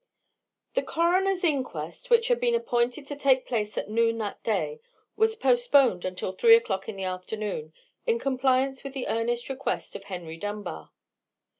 The coroner's inquest, which had been appointed to take place at noon that day, was postponed until three o'clock in the afternoon, in compliance with the earnest request of Henry Dunbar.